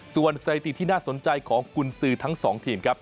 ส่วนสถิติที่น่าสนใจของกุญสือทั้งสองทีมครับ